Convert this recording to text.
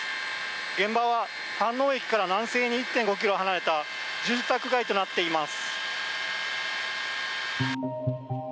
現場は飯能駅から南西に１．５ｋｍ離れた住宅街となっています。